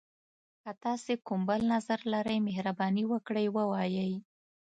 که تاسي کوم بل نظر لری، مهرباني وکړئ ووایئ.